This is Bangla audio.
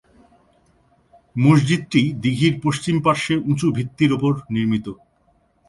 মসজিদটি দিঘীর পশ্চিম পার্শ্বে উঁচু ভিত্তির ওপর নির্মিত।